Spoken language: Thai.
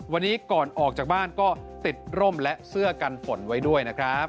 วันนี้ก่อนออกจากบ้านก็ติดร่มและเสื้อกันฝนไว้ด้วยนะครับ